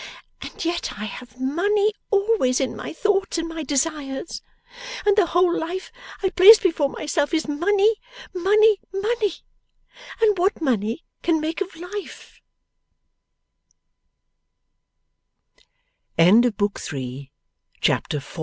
And yet I have money always in my thoughts and my desires; and the whole life I place before myself is money, money, money, and what money can make of l